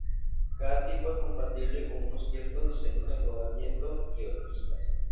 Cada tipo es compatible con unos ciertos diseños de rodamientos y horquillas.